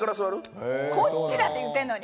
こっちだって言ってるのに！